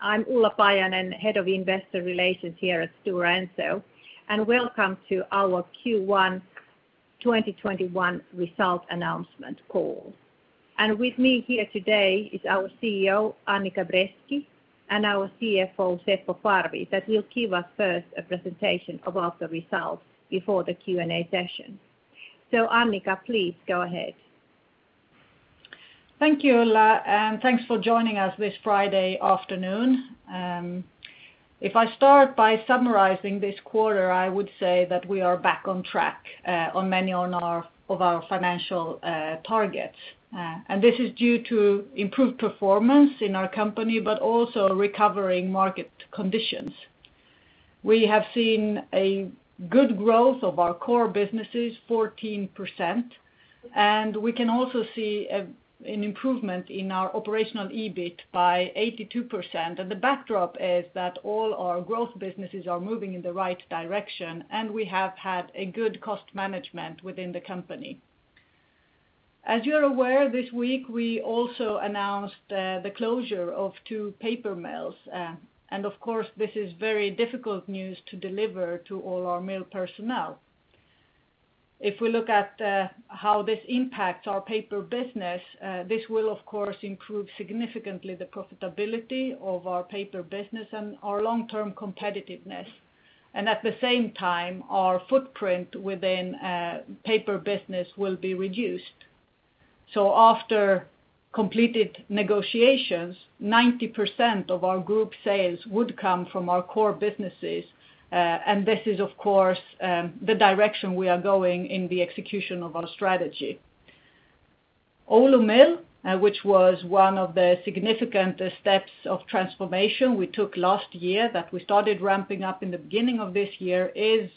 I'm Ulla Paajanen, Head of Investor Relations here at Stora Enso. Welcome to our Q1 2021 result announcement call. With me here today is our CEO, Annica Bresky, and our CFO, Seppo Parvi, that will give us first a presentation about the results before the Q&A session. Annica, please go ahead. Thank you, Ulla, and thanks for joining us this Friday afternoon. If I start by summarizing this quarter, I would say that we are back on track on many of our financial targets. This is due to improved performance in our company, but also recovering market conditions. We have seen a good growth of our core businesses, 14%, and we can also see an improvement in our operational EBIT by 82%. The backdrop is that all our growth businesses are moving in the right direction, and we have had a good cost management within the company. As you're aware, this week, we also announced the closure of two paper mills. Of course, this is very difficult news to deliver to all our mill personnel. If we look at how this impacts our paper business, this will of course improve significantly the profitability of our paper business and our long-term competitiveness. At the same time, our footprint within paper business will be reduced. After completed negotiations, 90% of our group sales would come from our core businesses, and this is, of course, the direction we are going in the execution of our strategy. Oulu Mill, which was one of the significant steps of transformation we took last year, that we started ramping up in the beginning of this year, is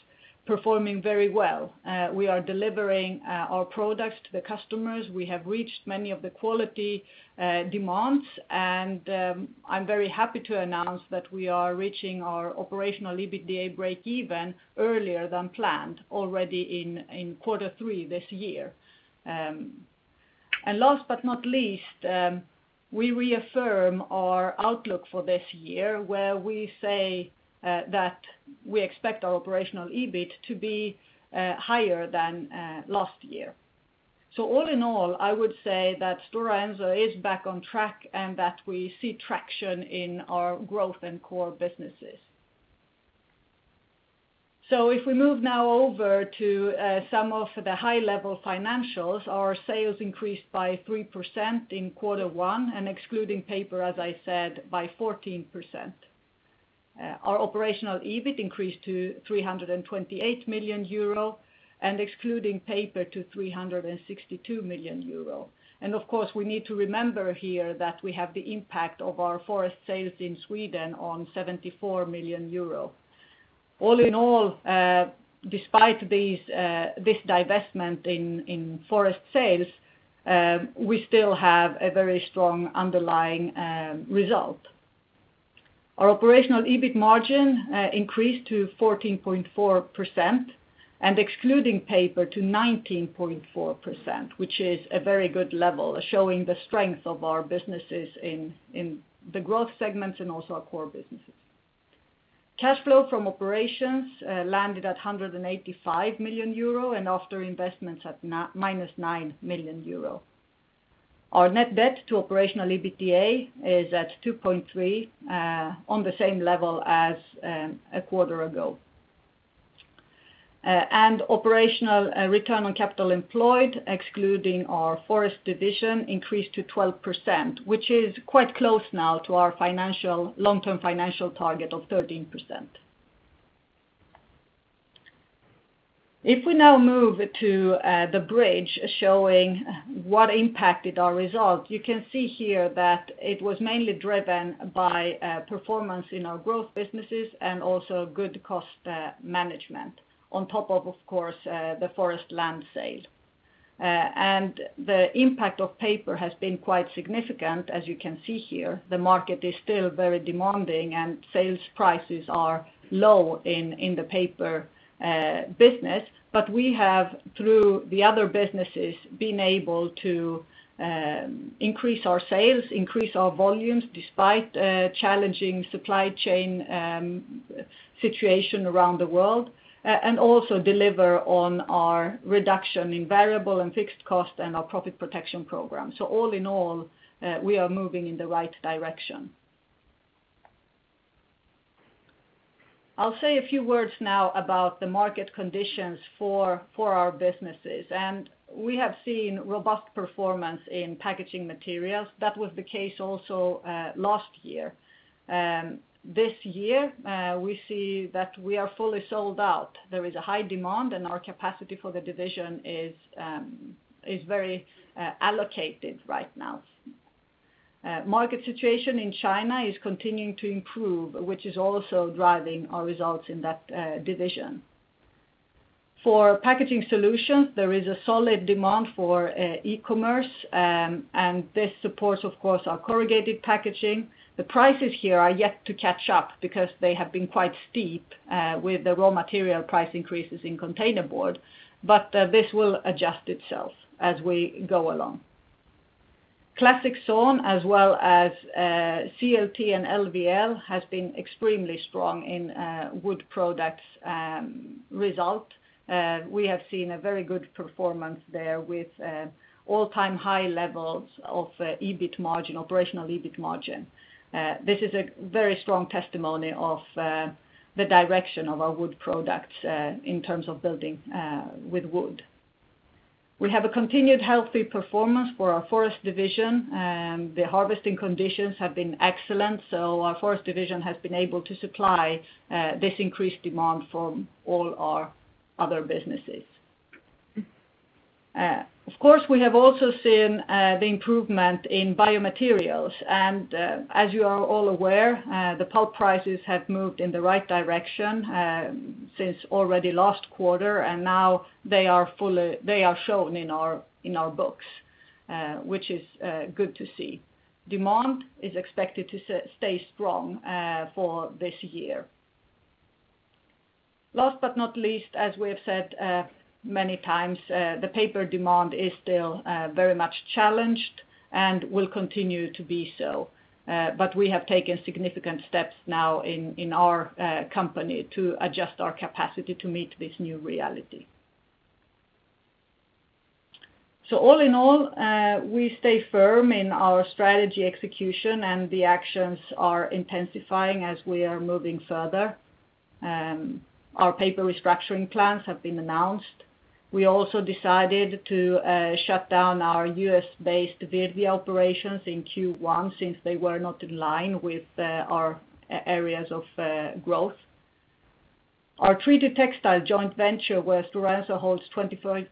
performing very well. We are delivering our products to the customers. We have reached many of the quality demands, and I am very happy to announce that we are reaching our operational EBITDA breakeven earlier than planned, already in quarter three this year. Last but not least, we reaffirm our outlook for this year, where we say that we expect our operational EBIT to be higher than last year. All in all, I would say that Stora Enso is back on track and that we see traction in our growth and core businesses. If we move now over to some of the high-level financials, our sales increased by 3% in Q1, and excluding paper, as I said, by 14%. Our operational EBIT increased to 328 million euro, and excluding paper, to 362 million euro. Of course, we need to remember here that we have the impact of our forest sales in Sweden on 74 million euro. Despite this divestment in forest sales, we still have a very strong underlying result. Our operational EBIT margin increased to 14.4%, and excluding paper to 19.4%, which is a very good level, showing the strength of our businesses in the growth segments and also our core businesses. Cash flow from operations landed at 185 million euro, and after investments at -9 million euro. Our net debt to operational EBITDA is at 2.3, on the same level as a quarter ago. Operational return on capital employed, excluding our forest division, increased to 12%, which is quite close now to our long-term financial target of 13%. If we now move to the bridge showing what impacted our results, you can see here that it was mainly driven by performance in our growth businesses and also good cost management, on top of course, the forest land sale. The impact of paper has been quite significant, as you can see here. The market is still very demanding, and sales prices are low in the paper business. We have, through the other businesses, been able to increase our sales, increase our volumes despite a challenging supply chain situation around the world, and also deliver on our reduction in variable and fixed cost and our profit protection program. All in all, we are moving in the right direction. I'll say a few words now about the market conditions for our businesses. We have seen robust performance in Packaging Materials. That was the case also last year. This year, we see that we are fully sold out. There is a high demand, and our capacity for the division is very allocated right now. Market situation in China is continuing to improve, which is also driving our results in that division. For Packaging Solutions, there is a solid demand for e-commerce, and this supports, of course, our corrugated packaging. The prices here are yet to catch up because they have been quite steep, with the raw material price increases in containerboard, but this will adjust itself as we go along. Classic Sawn, as well as CLT and LVL, has been extremely strong in Wood Products result. We have seen a very good performance there with all-time high levels of operational EBIT margin. This is a very strong testimony of the direction of our Wood Products in terms of building with wood. We have a continued healthy performance for our Forest division. The harvesting conditions have been excellent, so our Forest division has been able to supply this increased demand from all our other businesses. Of course, we have also seen the improvement in biomaterials. As you are all aware, the pulp prices have moved in the right direction since already last quarter, and now they are shown in our books, which is good to see. Demand is expected to stay strong for this year. Last but not least, as we have said many times, the paper demand is still very much challenged and will continue to be so. We have taken significant steps now in our company to adjust our capacity to meet this new reality. All in all, we stay firm in our strategy execution, and the actions are intensifying as we are moving further. Our paper restructuring plans have been announced. We also decided to shut down our U.S.-based Virdia operations in Q1, since they were not in line with our areas of growth. Our treated textile joint venture, where Stora Enso holds 25%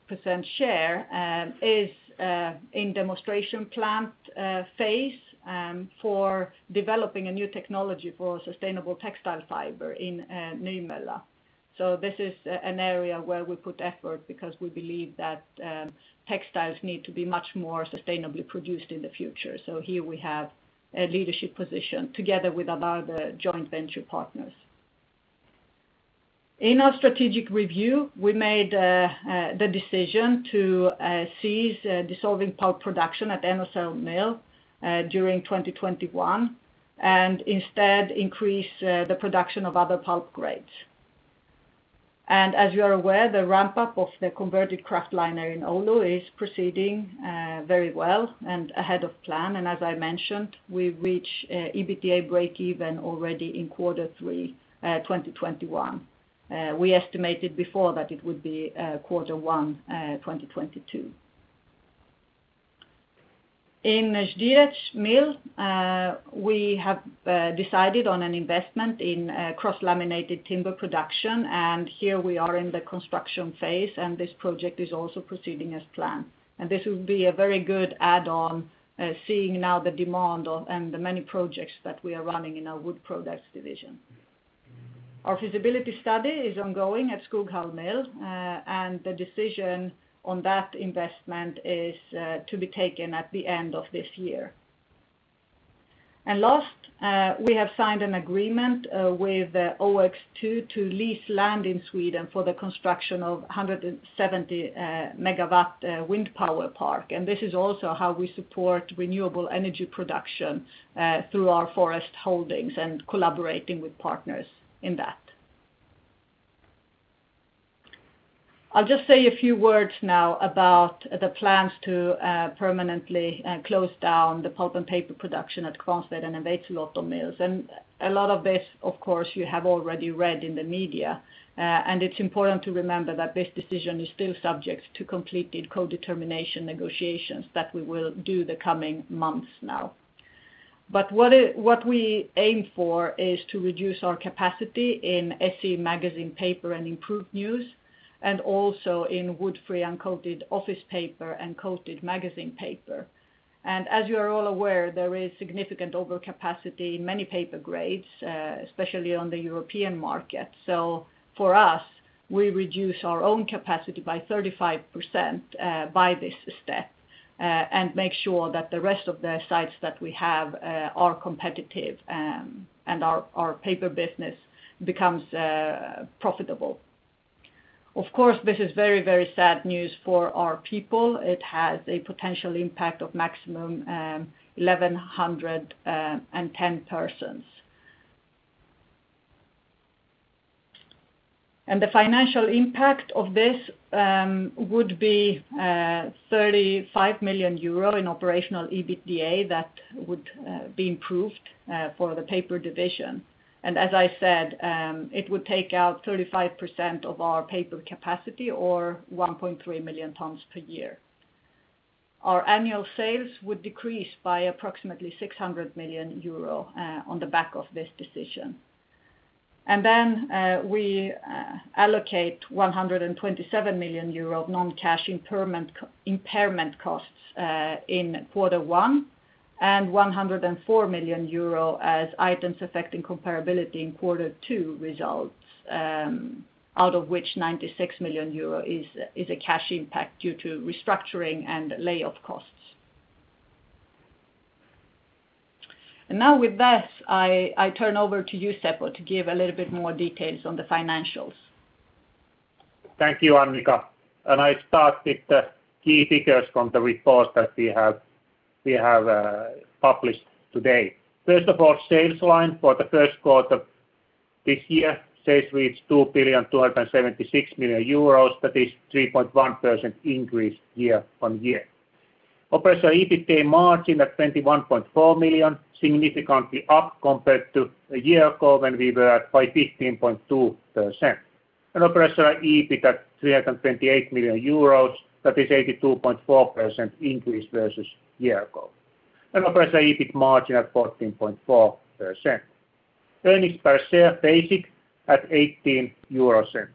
share, is in demonstration plant phase for developing a new technology for sustainable textile fiber in Nymölla. This is an area where we put effort because we believe that textiles need to be much more sustainably produced in the future. Here we have a leadership position together with our other joint venture partners. In our strategic review, we made the decision to cease dissolving pulp production at Enocell Mill during 2021, and instead increase the production of other pulp grades. As you are aware, the ramp-up of the converted kraftliner in Oulu is proceeding very well and ahead of plan. As I mentioned, we reach EBITDA breakeven already in quarter three 2021. We estimated before that it would be quarter one 2022. In Ždírec Mill, we have decided on an investment in cross-laminated timber production, and here we are in the construction phase, and this project is also proceeding as planned. This will be a very good add-on, seeing now the demand and the many projects that we are running in our wood products division. Our feasibility study is ongoing at Skoghall Mill. The decision on that investment is to be taken at the end of this year. Last, we have signed an agreement with OX2 to lease land in Sweden for the construction of 170-MW wind power park. This is also how we support renewable energy production through our forest holdings and collaborating with partners in that. I'll just say a few words now about the plans to permanently close down the pulp and paper production at Kvarnsveden and Veitsiluoto mills. A lot of this, of course, you have already read in the media. It's important to remember that this decision is still subject to completed co-determination negotiations that we will do the coming months now. What we aim for is to reduce our capacity in SC magazine paper and improved news, and also in wood-free uncoated office paper and coated magazine paper. As you are all aware, there is significant overcapacity in many paper grades, especially on the European market. For us, we reduce our own capacity by 35% by this step and make sure that the rest of the sites that we have are competitive and our paper business becomes profitable. Of course, this is very sad news for our people. It has a potential impact of maximum 1,110 persons. The financial impact of this would be 35 million euro in operational EBITDA that would be improved for the paper division. As I said, it would take out 35% of our paper capacity or 1.3 million tons per year. Our annual sales would decrease by approximately 600 million euro on the back of this decision. Then we allocate 127 million euro of non-cash impairment costs in quarter one and 104 million euro as items affecting comparability in quarter two results, out of which 96 million euro is a cash impact due to restructuring and layoff costs. Now with that, I turn over to you, Seppo, to give a little bit more details on the financials. Thank you, Annica. I start with the key figures from the report that we have published today. First of all, sales line for the Q1 this year, sales reached 2.276 billion. That is 3.1% increase year-on-year. Operational EBITDA margin at 21.4%, significantly up compared to a year ago when we were at 15.2%. Operational EBIT at 328 million euros, that is 82.4% increase versus year ago. Operational EBIT margin at 14.4%. Earnings per share basic at 0.18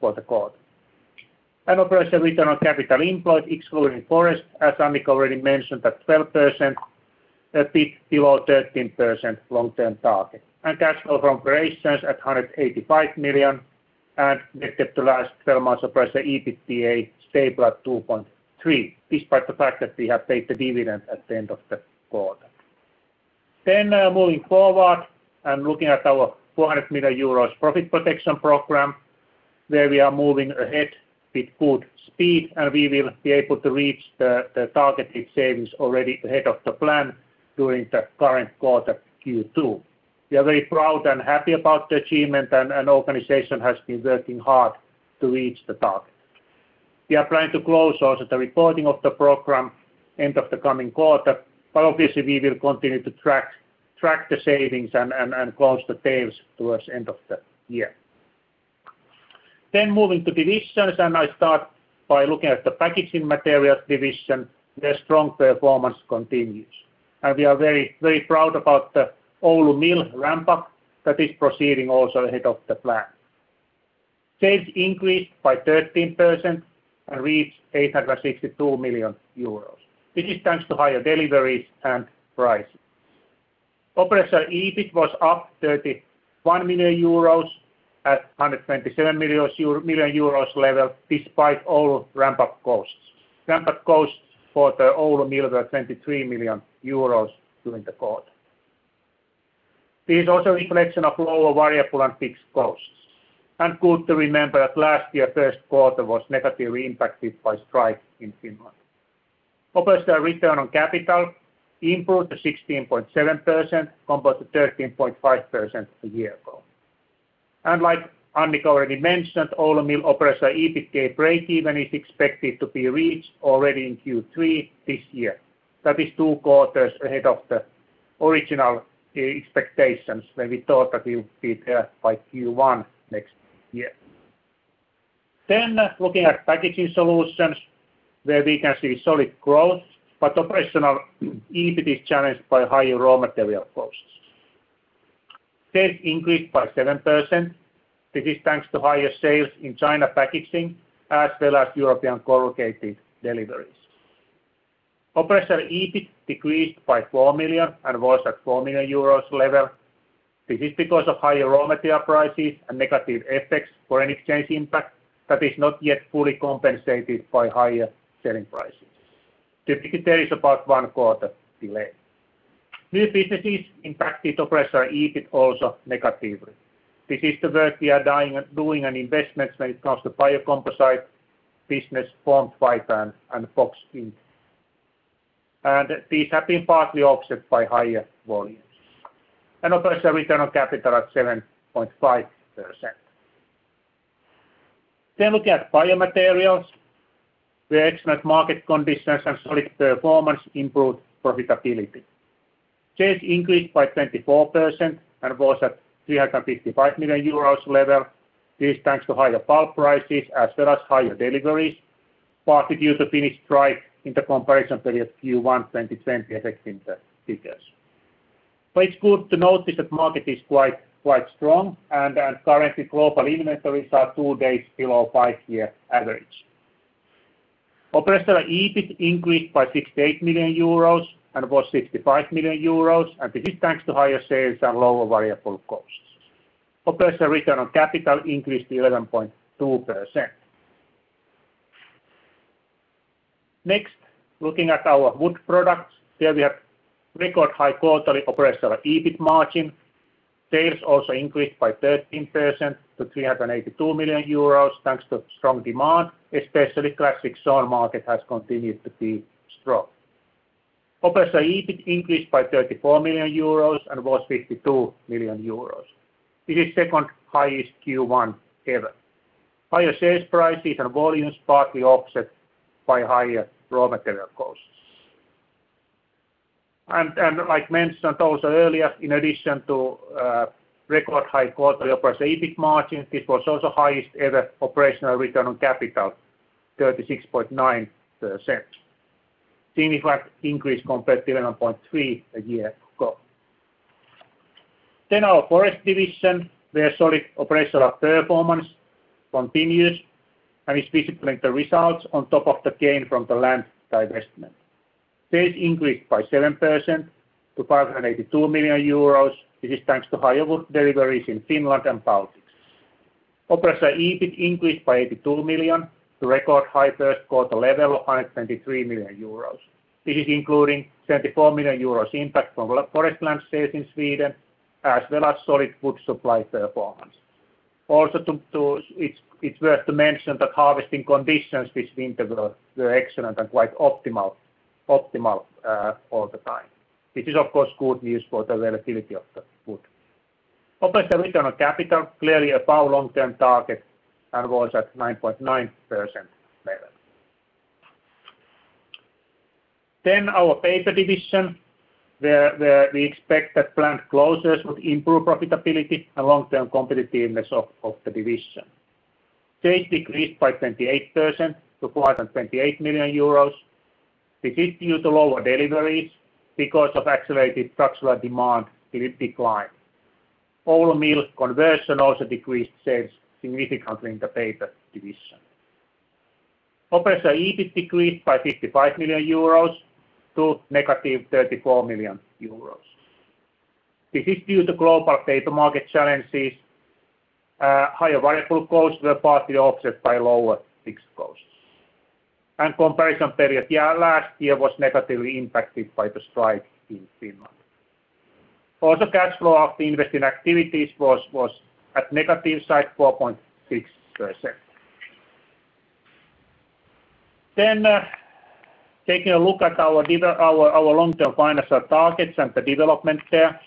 for the quarter. Operational return on capital employed, excluding forest, as Annica already mentioned, at 12%, a bit below 13% long-term target. Cash flow from operations at 185 million, and net debt to last 12 months operational EBITDA stable at 2.3, despite the fact that we have paid the dividend at the end of the quarter. Moving forward and looking at our 400 million euros profit protection program, where we are moving ahead with good speed, and we will be able to reach the targeted savings already ahead of the plan during the current quarter, Q2. We are very proud and happy about the achievement, and organization has been working hard to reach the target. We are planning to close also the reporting of the program end of the coming quarter, but obviously, we will continue to track the savings and close the tails towards the end of the year. Moving to divisions, and I start by looking at the Packaging Materials division. Their strong performance continues. We are very proud about the Oulu Mill ramp-up that is proceeding also ahead of the plan. Sales increased by 13% and reached 862 million euros. This is thanks to higher deliveries and pricing. Operational EBIT was up 31 million euros at 127 million euros level despite Oulu ramp-up costs. Ramp-up costs for the Oulu mill were 23 million euros during the quarter. This is also a reflection of lower variable and fixed costs. Good to remember that last year, Q1 was negatively impacted by strike in Finland. Operational return on capital improved to 16.7% compared to 13.5% a year ago. Like Annica already mentioned, Oulu mill operational EBITDA breakeven is expected to be reached already in Q3 this year. That is two quarters ahead of the original expectations when we thought that we would be there by Q1 next year. Looking at Packaging Solutions, where we can see solid growth, but operational EBIT is challenged by higher raw material costs. Sales increased by 7%. This is thanks to higher sales in China packaging, as well as European corrugated deliveries. Operational EBIT decreased by 4 million and was at 4 million euros level. This is because of higher raw material prices and negative FX, foreign exchange impact, that is not yet fully compensated by higher selling prices. Typically, there is about one quarter delay. New businesses impacted operational EBIT also negatively. This is the work we are doing on investments when it comes to biocomposite business, Formed Fiber and PureFiber. These have been partly offset by higher volumes. Operational return on capital at 7.5%. Looking at biomaterials, where excellent market conditions and solid performance improved profitability. Sales increased by 24% and was at 355 million euros level. This is thanks to higher pulp prices as well as higher deliveries, partly due to Finnish strike in the comparison period Q1 2020 affecting the figures. It's good to notice that market is quite strong and currently global inventories are two days below five-year average. Operational EBIT increased by 68 million euros and was 65 million euros, this is thanks to higher sales and lower variable costs. Operational return on capital increased to 11.2%. Next, looking at our wood products, where we have record high quarterly operational EBIT margin. Sales also increased by 13% to 382 million euros, thanks to strong demand, especially Classic Sawn market has continued to be strong. Operational EBIT increased by 34 million euros and was 52 million euros. This is second-highest Q1 ever. Higher sales prices and volumes partly offset by higher raw material costs. Like mentioned also earlier, in addition to record high quarterly operational EBIT margin, this was also highest ever operational return on capital, 36.9%. Significant increase compared to 11.3% a year ago. Our Forest division, where solid operational performance continues and is visible in the results on top of the gain from the land divestment. Sales increased by 7% to 582 million euros. This is thanks to higher wood deliveries in Finland and Baltics. Operating EBIT increased by 82 million, to record high Q1 level of 123 million euros. This is including 74 million euros impact from forest land sales in Sweden, as well as solid wood supply performance. Also, it's worth to mention that harvesting conditions this winter were excellent and quite optimal all the time, which is, of course, good news for the availability of the wood. Operating return on capital, clearly above long-term target and was at 9.9% level. Our Paper division, where we expect that plant closures would improve profitability and long-term competitiveness of the division. Sales decreased by 28% to 428 million euros. This is due to lower deliveries because of accelerated structural demand decline. Oulu mill conversion decreased sales significantly in the paper division. Operating EBIT decreased by 55 million euros to -34 million euros. This is due to global paper market challenges. Higher variable costs were partly offset by lower fixed costs. Comparison period last year was negatively impacted by the strike in Finland. Also, cash flow from investing activities was at negative side 4.6%. Taking a look at our long-term financial targets and the development there.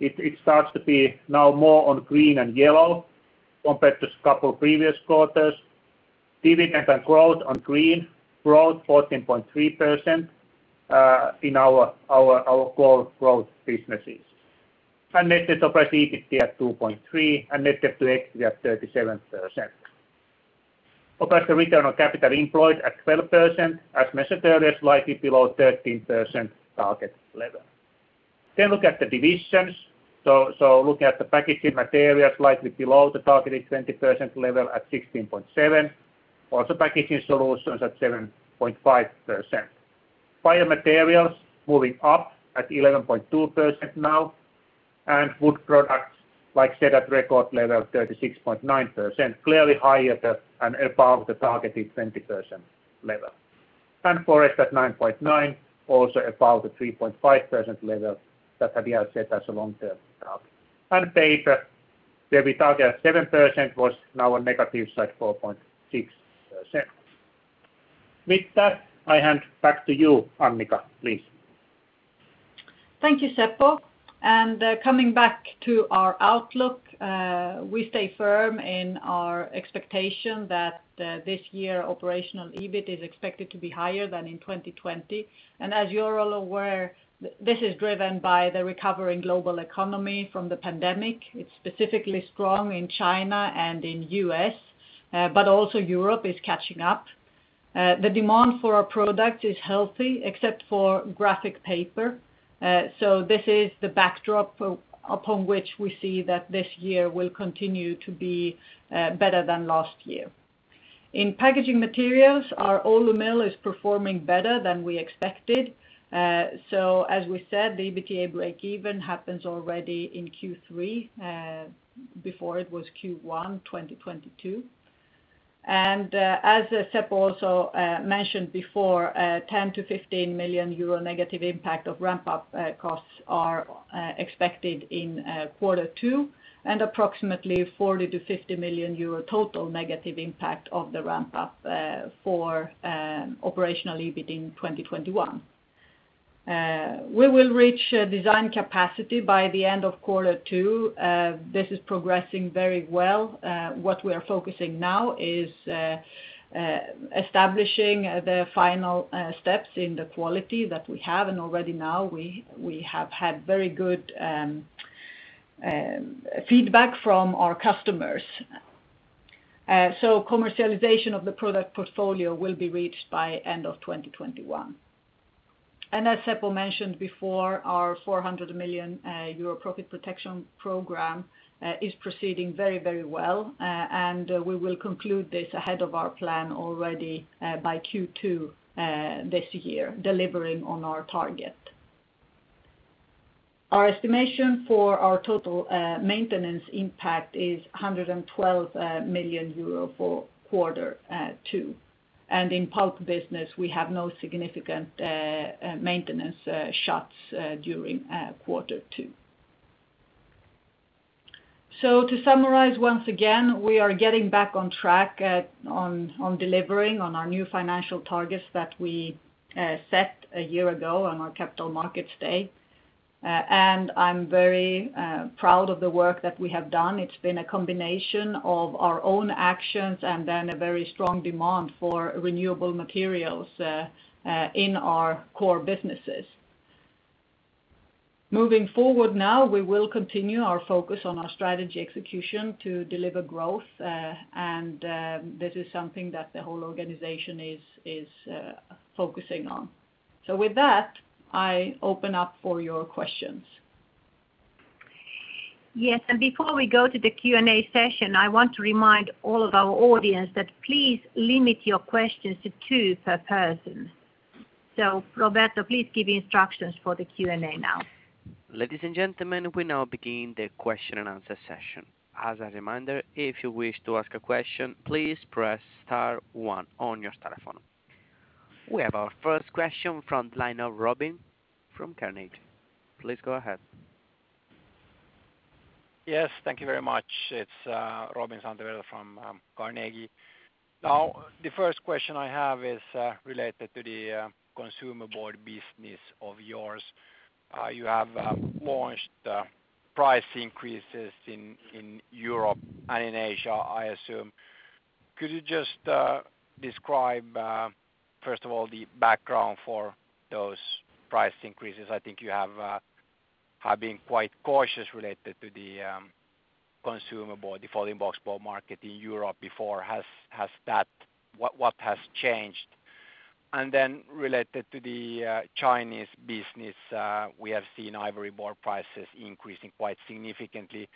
It starts to be now more on green and yellow compared to couple previous quarters. Dividends and growth on green, growth 14.3% in our core growth businesses. Net operating EBIT at 2.3% and net debt to EBITDA 37%. Operating return on capital employed at 12%, as measured earlier, slightly below 13% target level. Look at the divisions. Looking at the Packaging Materials, slightly below the targeted 20% level at 16.7%. Also Packaging Solutions at 7.5%. Biomaterials moving up at 11.2% now, and Wood Products, like I said, at record level 36.9%, clearly higher and above the targeted 20% level. Forest at 9.9%, also above the 3.9% level that we have set as a long-term target. Paper, where we target 7%, was now on negative side 4.6%. With that, I hand back to you, Annica, please. Thank you, Seppo. Coming back to our outlook, we stay firm in our expectation that this year operational EBIT is expected to be higher than in 2020. As you're all aware, this is driven by the recovering global economy from the pandemic. It's specifically strong in China and in U.S., also Europe is catching up. The demand for our product is healthy except for graphic paper. This is the backdrop upon which we see that this year will continue to be better than last year. In Packaging Materials, our Oulu mill is performing better than we expected. As we said, the EBITDA breakeven happens already in Q3, before it was Q1 2022. As Seppo also mentioned before, 10 million-15 million euro- impact of ramp-up costs are expected in Q2, and approximately 40 million-50 million euro total negative impact of the ramp-up for operational EBIT in 2021. We will reach design capacity by the end of Q2. This is progressing very well. What we are focusing now is establishing the final steps in the quality that we have, and already now we have had very good feedback from our customers. Commercialization of the product portfolio will be reached by end of 2021. As Seppo mentioned before, our 400 million euro profit protection program is proceeding very well, and we will conclude this ahead of our plan already by Q2 this year, delivering on our target. Our estimation for our total maintenance impact is 112 million euro for Q2. In pulp business, we have no significant maintenance shuts during Q2. To summarize once again, we are getting back on track on delivering on our new financial targets that we set a year ago on our Capital Markets Day. I'm very proud of the work that we have done. It's been a combination of our own actions and then a very strong demand for renewable materials in our core businesses. Moving forward now, we will continue our focus on our strategy execution to deliver growth, and this is something that the whole organization is focusing on. With that, I open up for your questions. Yes, before we go to the Q&A session, I want to remind all of our audience that please limit your questions to two per person. Roberto, please give instructions for the Q&A now. Ladies and gentlemen, we now begin the question and answer session. As a reminder, if you wish to ask a question, please press star one on your star phone. We have our first question from Robin Santavirta from Carnegie. Please go ahead. Yes, thank you very much. It's Robin Santavirta from Carnegie. The first question I have is related to the consumer board business of yours. You have launched price increases in Europe and in Asia, I assume. Could you just describe first of all, the background for those price increases? I think you have been quite cautious related to the consumer board, the folding boxboard market in Europe before. What has changed? Related to the Chinese business, we have seen Ivory Board prices increasing quite significantly.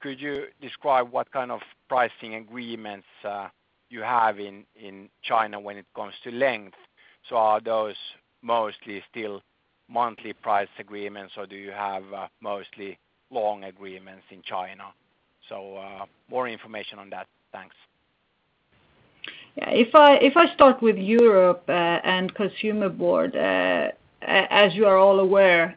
Could you describe what kind of pricing agreements you have in China when it comes to length? Are those mostly still monthly price agreements, or do you have mostly long agreements in China? More information on that. Thanks. If I start with Europe and consumer board, as you are all aware,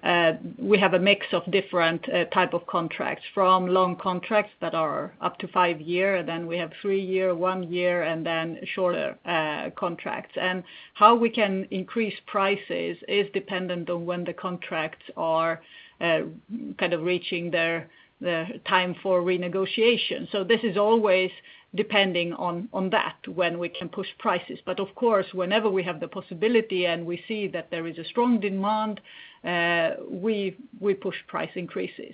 we have a mix of different type of contracts from long contracts that are up to five year. We have three year, one year, and then shorter contracts. How we can increase prices is dependent on when the contracts are reaching their time for renegotiation. This is always depending on that, when we can push prices. Of course, whenever we have the possibility and we see that there is a strong demand, we push price increases.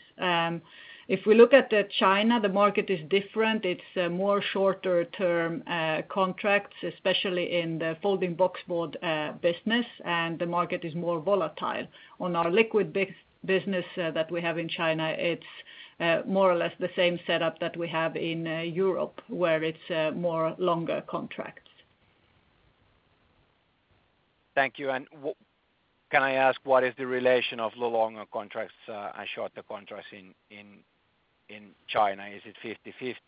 If we look at China, the market is different. It's more shorter term contracts, especially in the folding boxboard business, and the market is more volatile. On our liquid business that we have in China, it's more or less the same setup that we have in Europe, where it's more longer contracts. Thank you. Can I ask what is the relation of the longer contracts and shorter contracts in China? Is it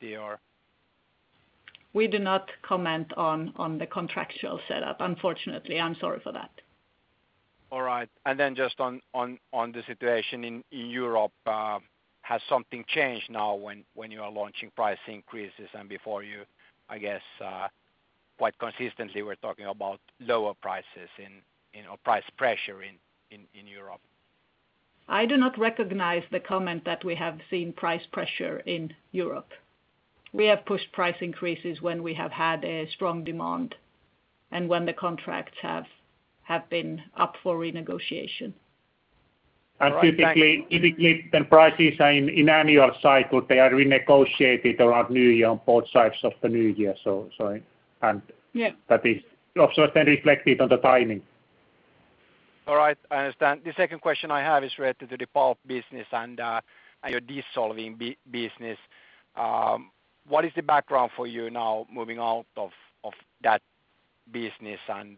50/50 or? We do not comment on the contractual setup, unfortunately. I'm sorry for that. All right. Just on the situation in Europe, has something changed now when you are launching price increases and before you, I guess, quite consistently were talking about lower prices or price pressure in Europe? I do not recognize the comment that we have seen price pressure in Europe. We have pushed price increases when we have had a strong demand and when the contracts have been up for renegotiation. Typically, the prices are in annual cycle. They are renegotiated around New Year, on both sides of the new year. Yeah. That is also then reflected on the timing. All right, I understand. The second question I have is related to the pulp business and your dissolving business. What is the background for you now moving out of that business, and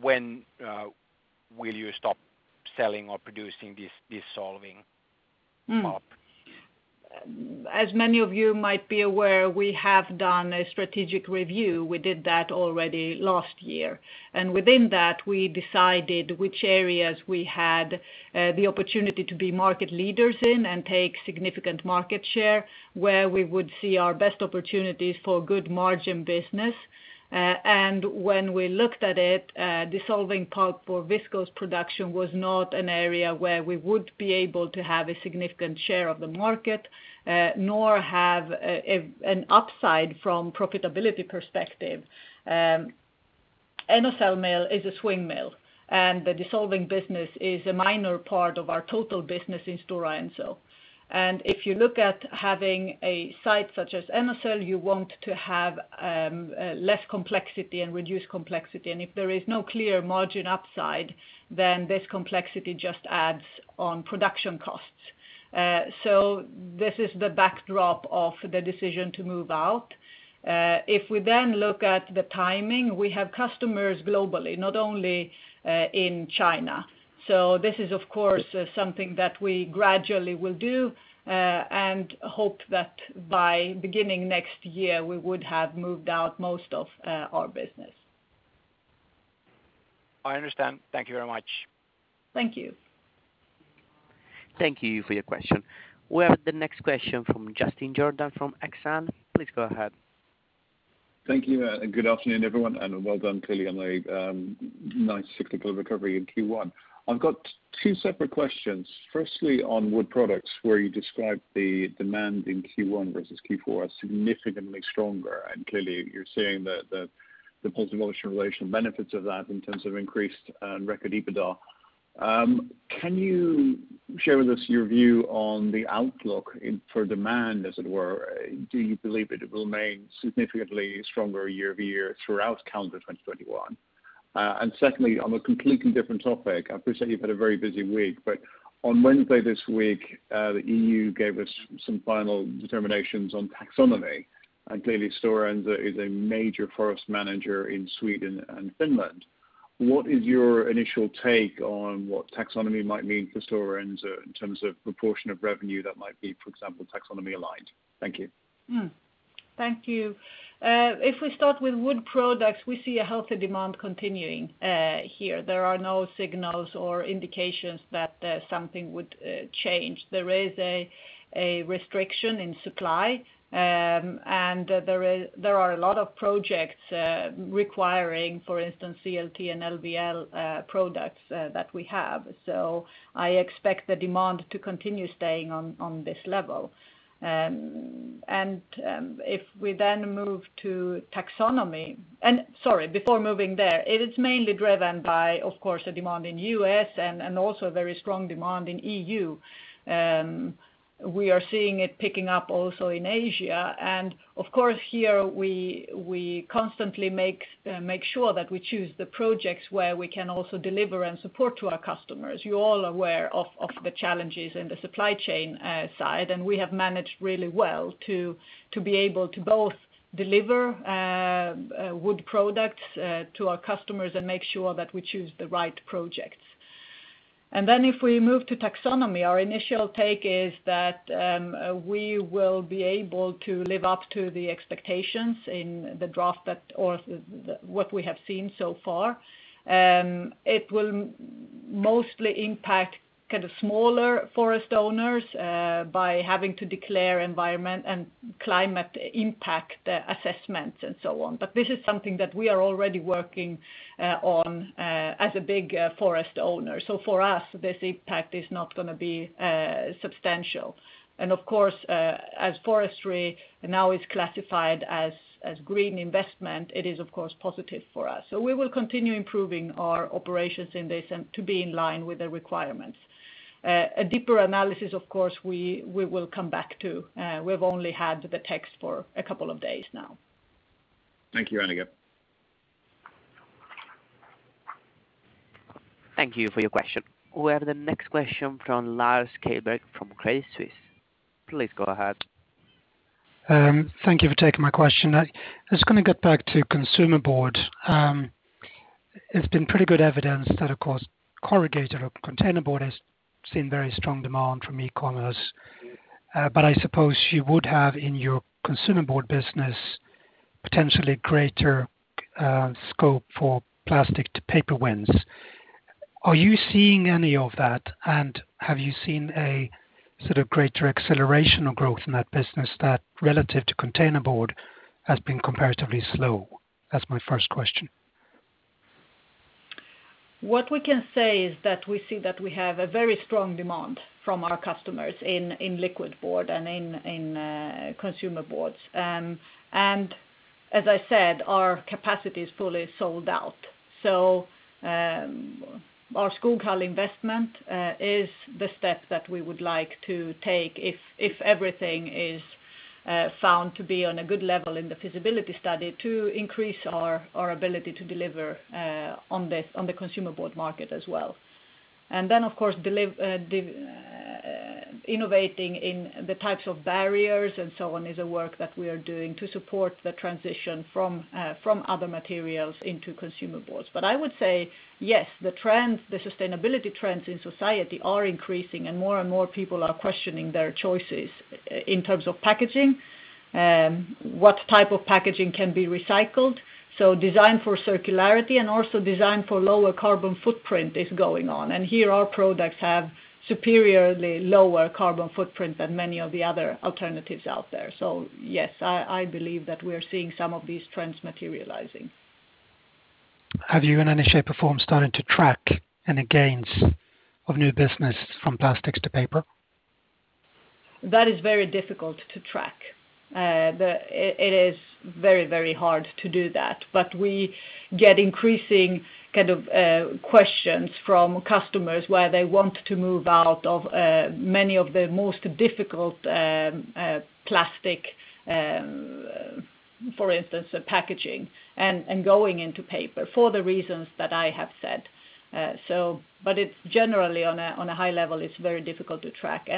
when will you stop selling or producing this dissolving pulp? As many of you might be aware, we have done a strategic review. We did that already last year. Within that, we decided which areas we had the opportunity to be market leaders in and take significant market share, where we would see our best opportunities for good margin business. When we looked at it, dissolving pulp for viscose production was not an area where we would be able to have a significant share of the market, nor have an upside from profitability perspective. Enocell Mill is a swing mill, and the dissolving business is a minor part of our total business in Stora Enso. If you look at having a site such as Enocell, you want to have less complexity and reduce complexity. If there is no clear margin upside, then this complexity just adds on production costs. This is the backdrop of the decision to move out. If we look at the timing, we have customers globally, not only in China. This is of course something that we gradually will do, and hope that by beginning next year, we would have moved out most of our business. I understand. Thank you very much. Thank you. Thank you for your question. We have the next question from Justin Jordan from Exane BNP Paribas. Please go ahead. Thank you, good afternoon, everyone, and well done, clearly on a nice cyclical recovery in Q1. I've got two separate questions. Firstly, on wood products, where you described the demand in Q1 versus Q4 as significantly stronger. Clearly you're seeing the positive operational benefits of that in terms of increased and record EBITDA. Can you share with us your view on the outlook for demand, as it were? Do you believe it will remain significantly stronger year-over-year throughout calendar 2021? Secondly, on a completely different topic, I appreciate you've had a very busy week, but on Wednesday this week, the EU gave us some final determinations on taxonomy. Clearly Stora Enso is a major forest manager in Sweden and Finland. What is your initial take on what taxonomy might mean for Stora Enso in terms of proportion of revenue that might be, for example, taxonomy aligned? Thank you. Thank you. If we start with wood products, we see a healthy demand continuing here. There are no signals or indications that something would change. There is a restriction in supply, and there are a lot of projects requiring, for instance, CLT and LVL products that we have. I expect the demand to continue staying on this level. If we then move to taxonomy. Sorry, before moving there, it is mainly driven by, of course, the demand in U.S. and also very strong demand in EU. We are seeing it picking up also in Asia, and of course, here we constantly make sure that we choose the projects where we can also deliver and support to our customers. You all are aware of the challenges in the supply chain side, we have managed really well to be able to both deliver wood products to our customers and make sure that we choose the right projects. If we move to taxonomy, our initial take is that we will be able to live up to the expectations in the draft or what we have seen so far. It will mostly impact kind of smaller forest owners by having to declare environment and climate impact assessments and so on. This is something that we are already working on as a big forest owner. For us, this impact is not going to be substantial. Of course, as forestry now is classified as green investment, it is, of course, positive for us. We will continue improving our operations in this and to be in line with the requirements. A deeper analysis, of course, we will come back to. We've only had the text for a couple of days now. Thank you, Annica. Thank you for your question. We have the next question from Lars Kjellberg from Credit Suisse. Please go ahead. Thank you for taking my question. I'm just going to get back to consumer board. It's been pretty good evidence that, of course, corrugated or containerboard has seen very strong demand from e-commerce. I suppose you would have in your consumer board business, potentially greater scope for plastic to paper wins. Are you seeing any of that? Have you seen a sort of greater acceleration or growth in that business that relative to containerboard has been comparatively slow? That's my first question. What we can say is that we see that we have a very strong demand from our customers in liquid board and in consumer boards. As I said, our capacity is fully sold out. Our Skoghall investment is the step that we would like to take if everything is found to be on a good level in the feasibility study to increase our ability to deliver on the consumer board market as well. Then, of course, innovating in the types of barriers and so on is a work that we are doing to support the transition from other materials into consumer boards. I would say yes, the sustainability trends in society are increasing, and more and more people are questioning their choices in terms of packaging, what type of packaging can be recycled. Design for circularity and also design for lower carbon footprint is going on. Here our products have superiorly lower carbon footprint than many of the other alternatives out there. Yes, I believe that we are seeing some of these trends materializing. Have you in any shape or form started to track any gains of new business from plastics to paper? That is very difficult to track. It is very hard to do that, but we get increasing kind of questions from customers where they want to move out of many of the most difficult plastic, for instance, packaging and going into paper for the reasons that I have said. It's generally on a high level, it's very difficult to track.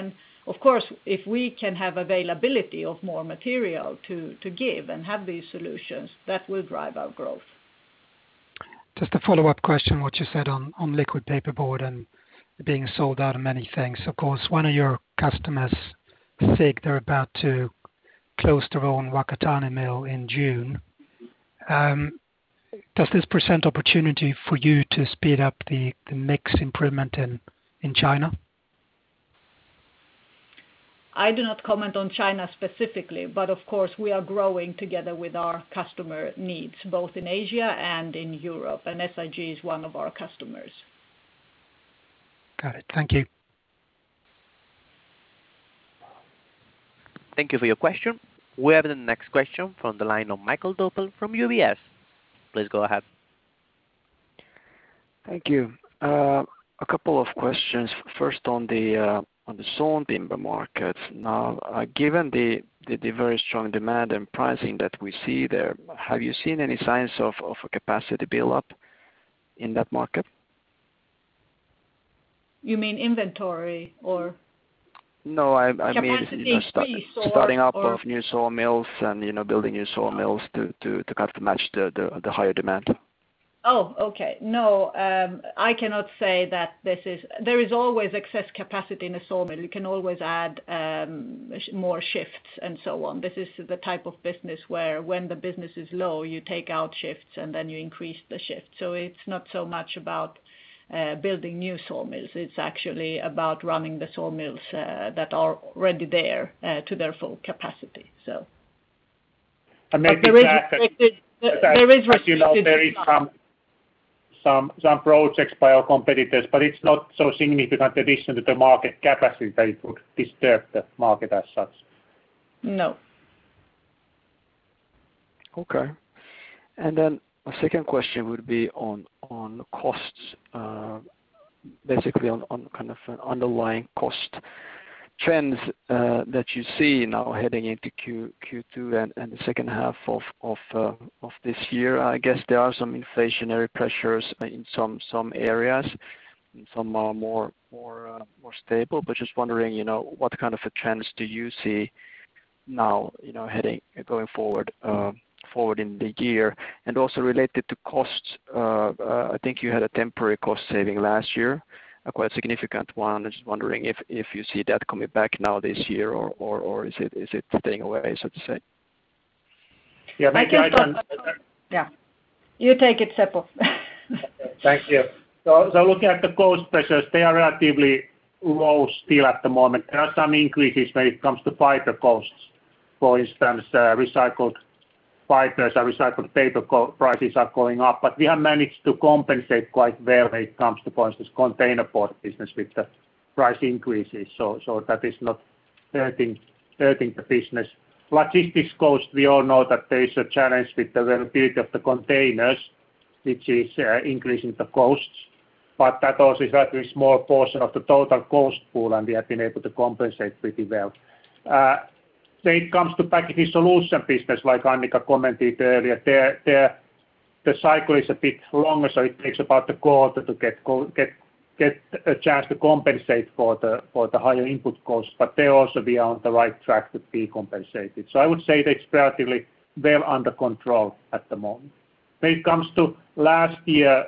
Of course, if we can have availability of more material to give and have these solutions, that will drive our growth. Just a follow-up question, what you said on liquid packaging board and being sold out and many things. Of course, one of your customers, SIG, they are about to close their own Whakatane mill in June. Does this present opportunity for you to speed up the mix improvement in China? I do not comment on China specifically, but of course we are growing together with our customer needs both in Asia and in Europe, and SIG is one of our customers. Got it. Thank you. Thank you for your question. We have the next question from the line of Michael Doppel from UBS. Please go ahead. Thank you. A couple of questions. First on the sawn timber market. Given the very strong demand and pricing that we see there, have you seen any signs of a capacity buildup in that market? You mean inventory? No, I mean- Capacity increase starting up of new sawmills and building new sawmills to match the higher demand. Oh, okay. No, I cannot say that. There is always excess capacity in a sawmill. You can always add more shifts and so on. This is the type of business where when the business is low, you take out shifts and then you increase the shifts. It is not so much about building new sawmills. It is actually about running the sawmills that are already there to their full capacity. And maybe that, There is restricted supply. As you know, there is some projects by our competitors, but it is not so significant addition to the market capacity that it would disturb the market as such. No. Okay. My second question would be on costs, basically on an underlying cost trends that you see now heading into Q2 and the second half of this year. I guess there are some inflationary pressures in some areas and some are more stable, just wondering what kind of trends do you see now, heading, going forward in the year and also related to costs, I think you had a temporary cost saving last year, a quite significant one. I was just wondering if you see that coming back now this year or is it staying away, so to say? Yeah, maybe I can, Yeah. You take it, Seppo. Thank you. Looking at the cost pressures, they are relatively low still at the moment. There are some increases when it comes to fiber costs. For instance, recycled fibers and recycled paper prices are going up, but we have managed to compensate quite well when it comes to, for instance, containerboard business with the price increases. That is not hurting the business. Logistics cost, we all know that there is a challenge with the availability of the containers, which is increasing the costs, but that also is a very small portion of the total cost pool, and we have been able to compensate pretty well. When it comes to Packaging Solutions business, like Annica commented earlier, the cycle is a bit longer, so it takes about a quarter to get a chance to compensate for the higher input costs. There also, we are on the right track to be compensated. I would say it's relatively well under control at the moment. When it comes to last year,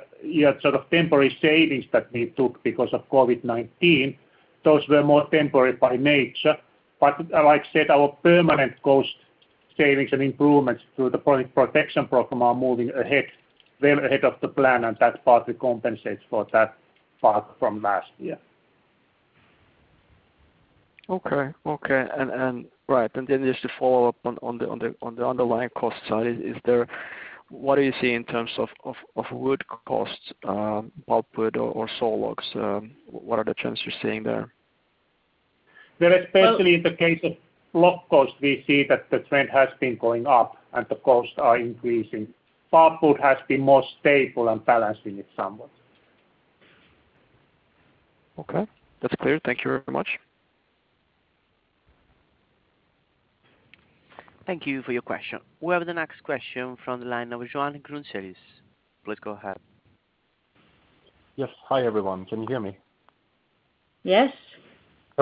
temporary savings that we took because of COVID-19, those were more temporary by nature. Like I said, our permanent cost savings and improvements to the product protection program are moving ahead, well ahead of the plan, and that partly compensates for that part from last year. Okay. Then just to follow up on the underlying cost side, what do you see in terms of wood costs, pulpwood or saw logs? What are the trends you're seeing there? Well, especially in the case of log cost, we see that the trend has been going up and the costs are increasing. Pulpwood has been more stable and balancing it somewhat. Okay. That's clear. Thank you very much. Thank you for your question. We have the next question from the line of Johan Eliason. Please go ahead. Yes. Hi, everyone. Can you hear me? Yes.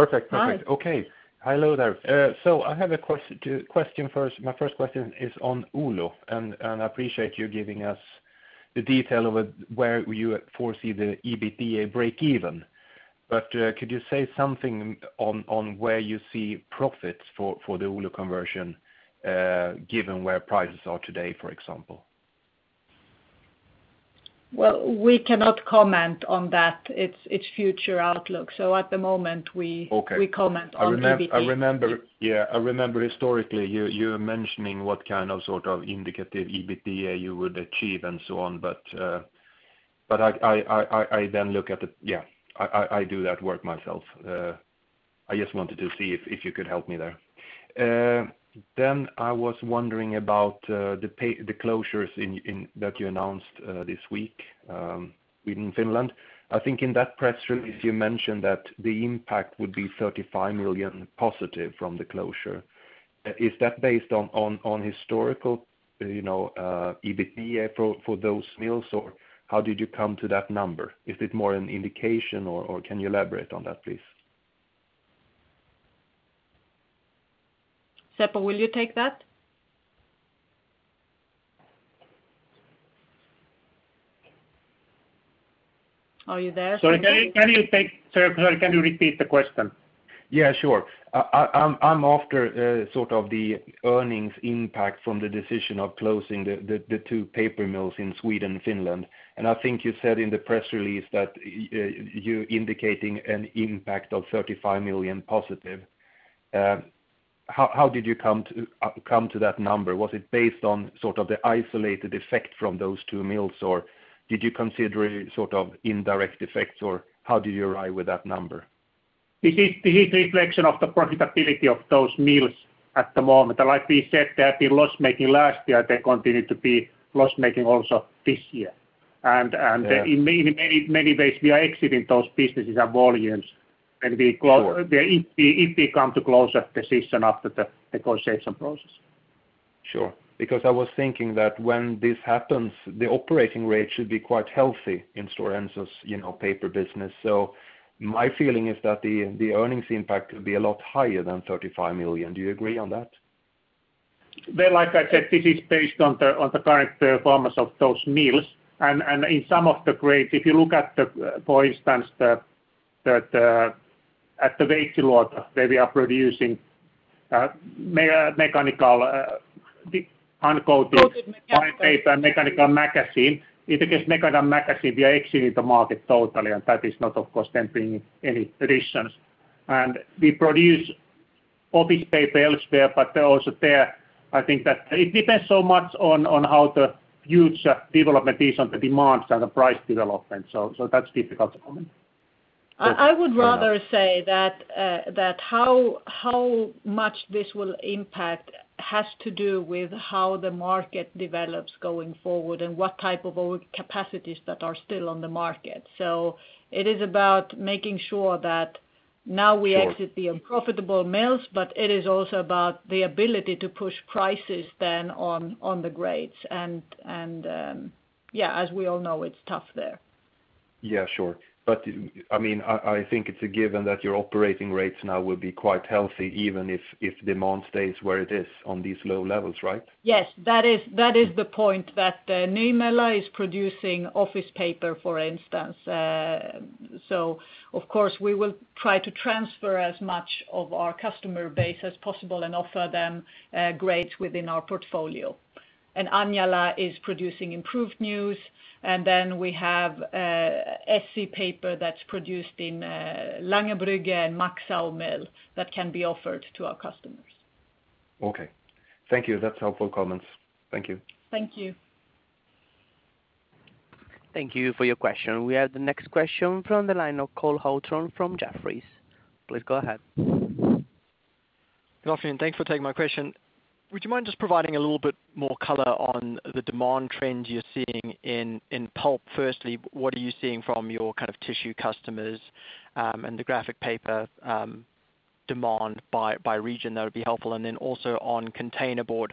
Perfect. Hi. Okay. Hello there. I have a question first. My first question is on Oulu, and I appreciate you giving us the detail of it where you foresee the EBITDA break even. Could you say something on where you see profits for the Oulu conversion, given where prices are today, for example? Well, we cannot comment on that. It's future outlook. Okay We comment on EBITDA. I remember historically you were mentioning what kind of indicative EBITDA you would achieve and so on. I then look at the Yeah, I do that work myself. I just wanted to see if you could help me there. I was wondering about the closures that you announced this week, in Finland. I think in that press release, you mentioned that the impact would be 35 million+ from the closure. Is that based on historical EBITDA for those mills, or how did you come to that number? Is it more an indication, or can you elaborate on that, please? Seppo, will you take that? Are you there? Sorry, can you repeat the question? Yeah, sure. I'm after the earnings impact from the decision of closing the two paper mills in Sweden and Finland, and I think you said in the press release that you're indicating an impact of 35 million+. How did you come to that number? Was it based on the isolated effect from those two mills, or did you consider indirect effects, or how did you arrive with that number? This is reflection of the profitability of those mills at the moment. Like we said, they have been loss-making last year. They continue to be loss-making also this year. Yeah In many ways, we are exiting those businesses and volumes. Sure. If we come to closure decision after the negotiation process. Sure. I was thinking that when this happens, the operating rate should be quite healthy in Stora Enso's paper business. My feeling is that the earnings impact will be a lot higher than 35 million. Do you agree on that? Well, like I said, this is based on the current performance of those mills. In some of the grades, if you look at, for instance, at the Veitsiluoto, where we are producing mechanical, uncoated paper and mechanical magazine. In the case mechanical magazine, we are exiting the market totally, and that is not, of course, then bringing any additions. We produce office paper elsewhere, but also there, I think that it depends so much on how the future development is on the demands and the price development. That's difficult to comment. I would rather say that how much this will impact has to do with how the market develops going forward and what type of capacities that are still on the market. It is about making sure that now we exit, Sure. The unprofitable mills, it is also about the ability to push prices then on the grades. Yeah, as we all know, it's tough there. Yeah, sure. I think it's a given that your operating rates now will be quite healthy, even if demand stays where it is on these low levels, right? Yes. That is the point that the Nymölla is producing office paper, for instance. Of course, we will try to transfer as much of our customer base as possible and offer them grades within our portfolio. Anjala is producing improved newsprint. We have SC magazine paper that's produced in Langerbrugge and Maxau mill that can be offered to our customers. Okay. Thank you. That's helpful comments. Thank you. Thank you. Thank you for your question. We have the next question from the line of Cole Hathorn from Jefferies. Please go ahead. Good afternoon. Thanks for taking my question. Would you mind just providing a little bit more color on the demand trends you're seeing in pulp? Firstly, what are you seeing from your kind of tissue customers, and the graphic paper demand by region, that would be helpful. Also on containerboard,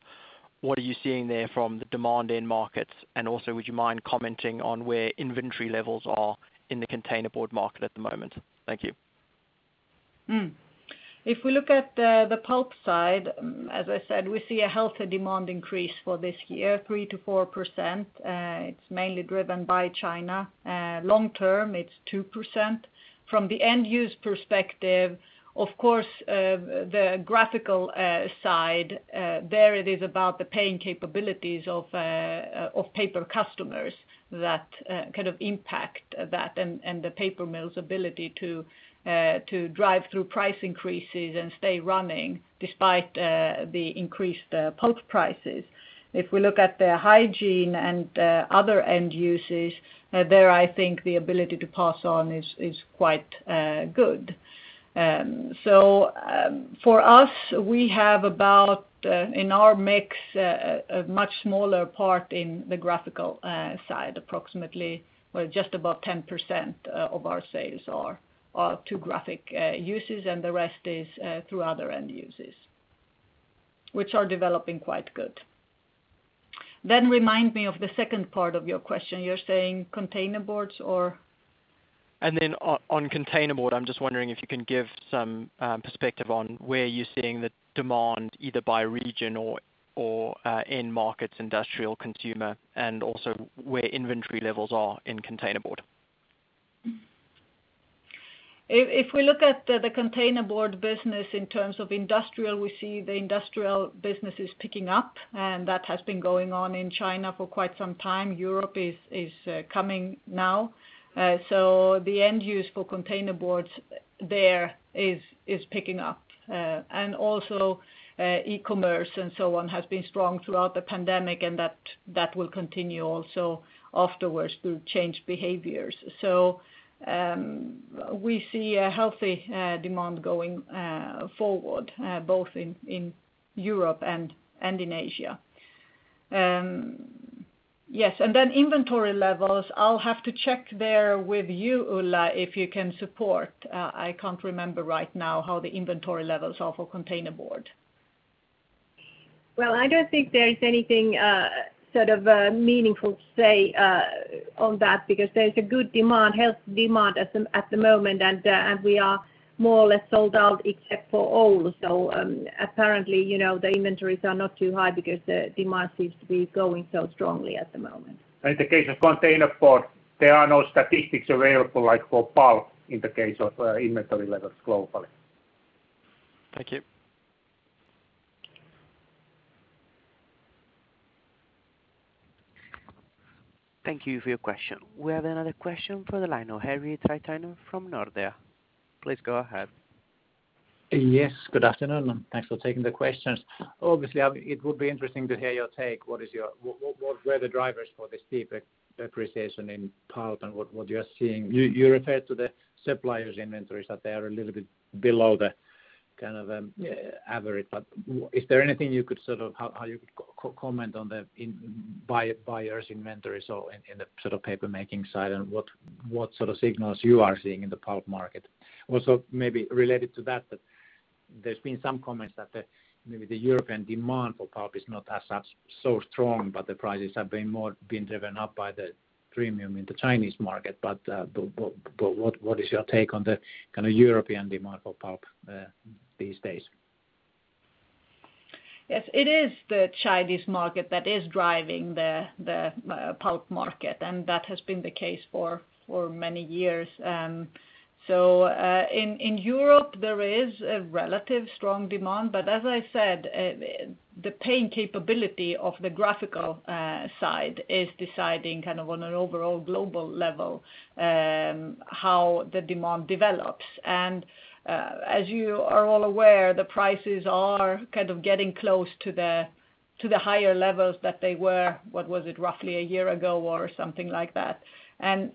what are you seeing there from the demand in markets? Also, would you mind commenting on where inventory levels are in the containerboard market at the moment? Thank you. If we look at the pulp side, as I said, we see a healthy demand increase for this year, 3%-4%. It's mainly driven by China. Long term, it's 2%. From the end use perspective, of course, the graphical side, there it is about the paying capabilities of paper customers that kind of impact that and the paper mill's ability to drive through price increases and stay running despite the increased pulp prices. If we look at the hygiene and other end uses, there, I think the ability to pass on is quite good. For us, we have about, in our mix, a much smaller part in the graphical side, approximately, well, just about 10% of our sales are to graphic uses, and the rest is through other end uses. Which are developing quite good. Remind me of the second part of your question. You're saying container boards or? On container board, I'm just wondering if you can give some perspective on where you're seeing the demand, either by region or in markets, industrial, consumer, and also where inventory levels are in containerboard? If we look at the containerboard business in terms of industrial, we see the industrial business is picking up, and that has been going on in China for quite some time. Europe is coming now. The end use for containerboards there is picking up. E-commerce and so on has been strong throughout the pandemic, and that will continue also afterwards through changed behaviors. We see a healthy demand going forward, both in Europe and in Asia. Inventory levels, I'll have to check there with you, Ulla, if you can support. I can't remember right now how the inventory levels are for containerboard. I don't think there is anything sort of meaningful to say on that because there is a good demand, health demand at the moment, and we are more or less sold out except for Oulu. Apparently, the inventories are not too high because the demand seems to be going so strongly at the moment. In the case of containerboard, there are no statistics available like for pulp in the case of inventory levels globally. Thank you. Thank you for your question. We have another question for the line of Harri Taittonen from Nordea. Please go ahead. Yes, good afternoon, thanks for taking the questions. Obviously, it would be interesting to hear your take. Where are the drivers for this deep depreciation in pulp and what you are seeing? You referred to the suppliers' inventories, that they are a little bit below the kind of average. Is there anything how you could comment on the buyers' inventories or in the sort of paper-making side and what sort of signals you are seeing in the pulp market? Also, maybe related to that. There's been some comments that maybe the European demand for pulp is not as such so strong, but the prices have more been driven up by the premium in the Chinese market. What is your take on the European demand for pulp these days? Yes, it is the Chinese market that is driving the pulp market, and that has been the case for many years. In Europe, there is a relative strong demand, but as I said, the paying capability of the graphical side is deciding on an overall global level how the demand develops. As you are all aware, the prices are getting close to the higher levels that they were, what was it? Roughly a year ago or something like that.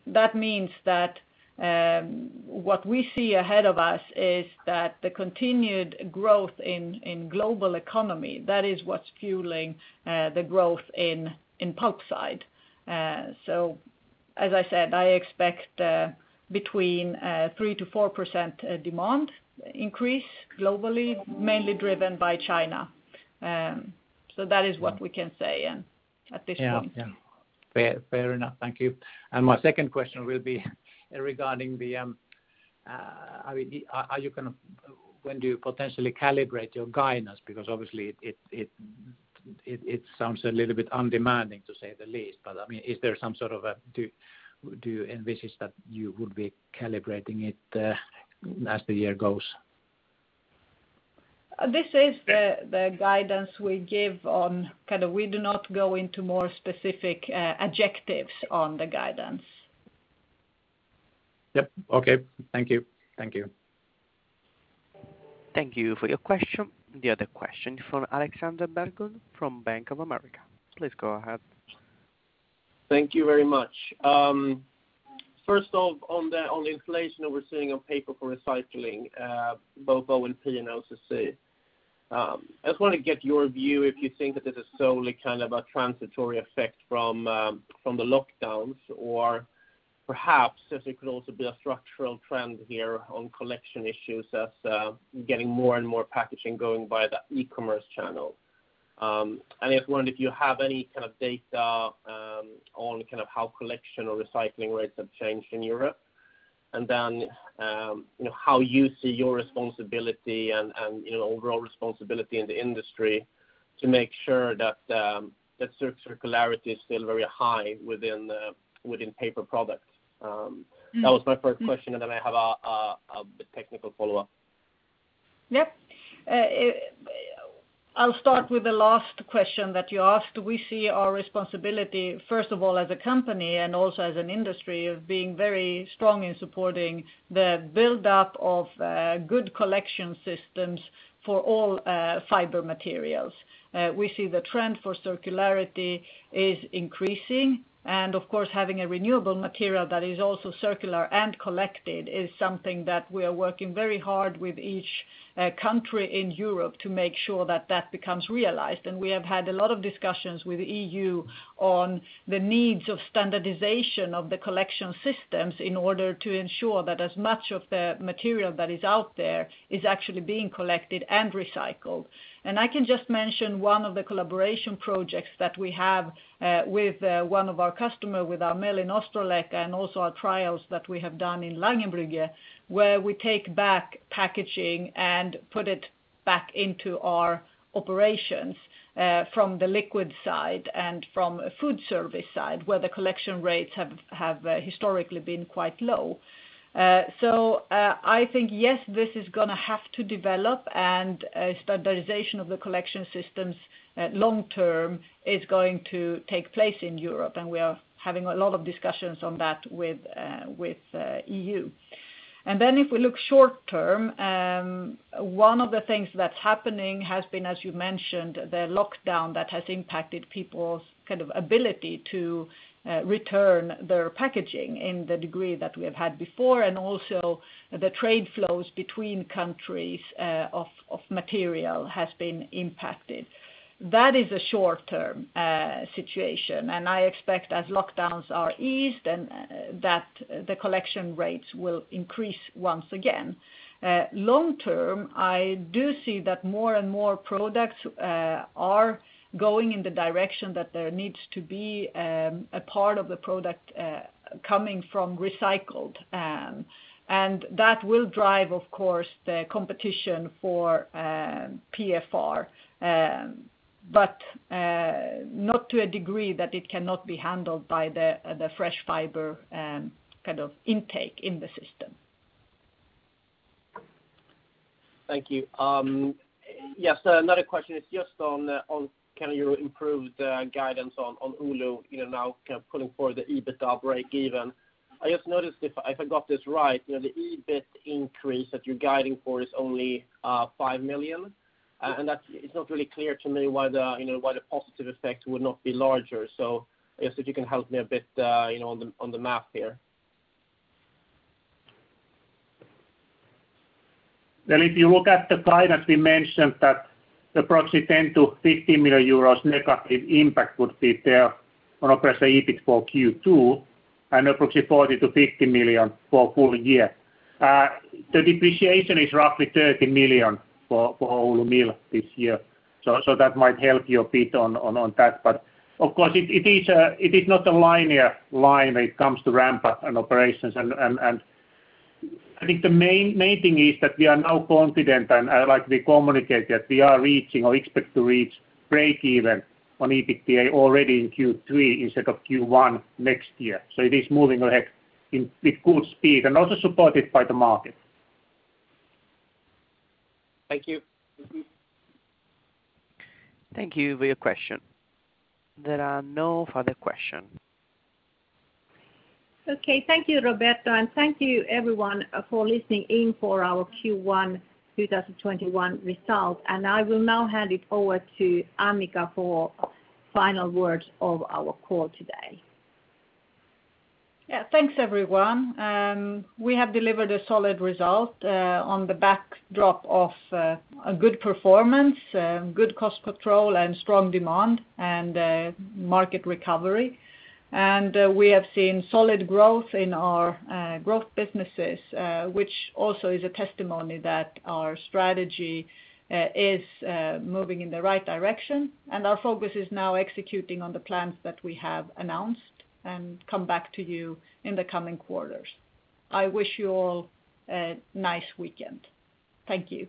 That means that what we see ahead of us is that the continued growth in global economy, that is what's fueling the growth in pulp side. As I said, I expect between 3%-4% demand increase globally, mainly driven by China. That is what we can say at this point. Yeah. Fair enough. Thank you. My second question will be regarding when do you potentially calibrate your guidance? Obviously it sounds a little bit undemanding, to say the least. Do you envisage that you would be calibrating it as the year goes? This is the guidance we give on. We do not go into more specific adjectives on the guidance. Yep. Okay. Thank you. Thank you for your question. The other question from Alexander Berglund from Bank of America. Please go ahead. Thank you very much. First off, on the inflation that we're seeing on Paper for Recycling, both ONP and OCC. I just want to get your view if you think that this is solely a transitory effect from the lockdowns, or perhaps if it could also be a structural trend here on collection issues as getting more and more packaging going by the e-commerce channel. I just wondered if you have any kind of data on how collection or recycling rates have changed in Europe, how you see your responsibility and overall responsibility in the industry to make sure that circularity is still very high within paper products. That was my first question, I have a technical follow-up. Yep. I'll start with the last question that you asked. We see our responsibility, first of all, as a company and also as an industry of being very strong in supporting the buildup of good collection systems for all fiber materials. We see the trend for circularity is increasing, and of course, having a renewable material that is also circular and collected is something that we are working very hard with each country in Europe to make sure that that becomes realized. We have had a lot of discussions with EU on the needs of standardization of the collection systems in order to ensure that as much of the material that is out there is actually being collected and recycled. I can just mention one of the collaboration projects that we have with one of our customer, with our mill in Ostrołęka, and also our trials that we have done in Langerbrugge, where we take back packaging and put it back into our operations from the liquid side and from a food service side, where the collection rates have historically been quite low. I think, yes, this is going to have to develop, and standardization of the collection systems long-term is going to take place in Europe, and we are having a lot of discussions on that with EU. If we look short-term, one of the things that's happening has been, as you mentioned, the lockdown that has impacted people's ability to return their packaging in the degree that we have had before, and also the trade flows between countries of material has been impacted. That is a short-term situation, and I expect as lockdowns are eased, that the collection rates will increase once again. Long-term, I do see that more and “products” are going in the direction that there needs to be a part of the product coming from recycled. That will drive, of course, the competition for PfR, but not to a degree that it cannot be handled by the fresh fiber intake in the system. Thank you. Yes, another question is just on, can you improve the guidance on Oulu now pulling forward the EBITDA breakeven? I just noticed if I got this right, the EBIT increase that you're guiding for is only 5 million. It's not really clear to me why the positive effect would not be larger. I guess if you can help me a bit on the math here. If you look at the guidance, we mentioned that the proxy 10 million-50 million euros- impact would be there on operating EBIT for Q2, and approximately 40 million-50 million for full year. The depreciation is roughly 30 million for Oulu mill this year. That might help you a bit on that. Of course, it is not a linear line when it comes to ramp-up and operations. I think the main thing is that we are now confident, and like we communicate, that we are reaching or expect to reach breakeven on EBITDA already in Q3 instead of Q1 next year. It is moving ahead with good speed and also supported by the market. Thank you. Thank you for your question. There are no further question. Okay. Thank you, Roberto. Thank you everyone for listening in for our Q1 2021 result. I will now hand it over to Annica for final words of our call today. Yeah. Thanks, everyone. We have delivered a solid result on the backdrop of a good performance, good cost control, and strong demand and market recovery. We have seen solid growth in our growth businesses, which also is a testimony that our strategy is moving in the right direction, and our focus is now executing on the plans that we have announced and come back to you in the coming quarters. I wish you all a nice weekend. Thank you.